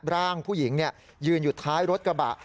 ร่างผู้หญิงยืนอยู่ท้ายรถกระบะ